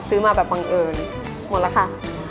ซื้อมาแบบบังเอิญหมดแล้วค่ะ